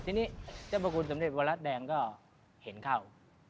ทีนี้เจ้าพระคุณสำเร็จวรัฐแดงก็เห็นเข้า